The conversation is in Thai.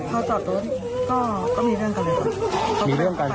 พอจอดรถก็มีเรื่องกันเลยครับ